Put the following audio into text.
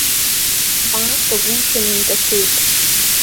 Хә-мааҭк агәылшәаны инкашәеит.